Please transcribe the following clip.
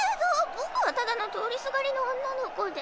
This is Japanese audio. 僕はただの通りすがりの女の子で。